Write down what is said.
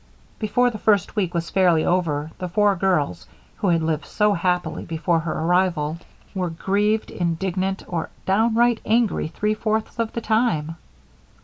Before the first week was fairly over, the four girls who had lived so happily before her arrival were grieved, indignant, or downright angry three fourths of the time.